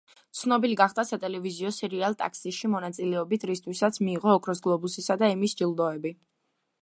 ცნობილი გახდა სატელევიზიო სერიალ „ტაქსიში“ მონაწილებით, რისთვისაც მიიღო ოქროს გლობუსისა და ემის ჯილდოები.